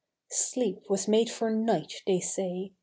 Sleep was made for night, they say.